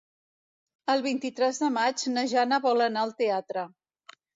El vint-i-tres de maig na Jana vol anar al teatre.